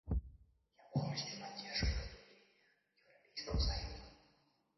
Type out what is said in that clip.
Я полностью поддерживаю выступление Европейского союза.